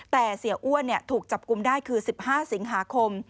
แต่เสียอ้วนถูกจับกลุ่มได้คือ๑๕สิงหาคม